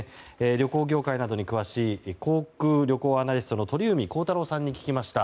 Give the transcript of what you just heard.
旅行業界などに詳しい航空・旅行アナリストの鳥海高太朗さんに聞きました。